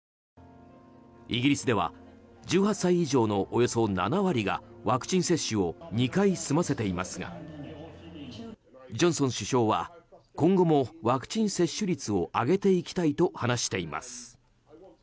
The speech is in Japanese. イギリスでは１８歳以上のおよそ７割がワクチン接種を２回済ませていますがジョンソン首相は今後もワクチン接種率を上げていきたいと話しています。